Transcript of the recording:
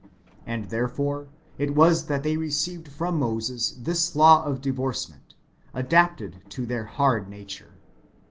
And therefore it was that they received from Moses this law of divorcement, adapted to their hard nature.